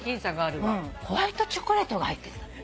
ホワイトチョコレートが入ってんだって。